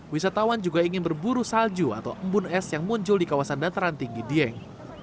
wisatawan juga ingin berburu salju atau embun es yang muncul di kawasan dataran tinggi dieng